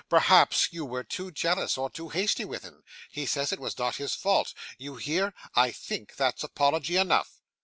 'Perhaps you were too jealous, or too hasty with him? He says it was not his fault. You hear; I think that's apology enough.